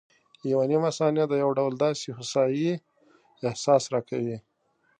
یوه نیمه ثانیه د یو ډول داسې هوسایي احساس راکوي.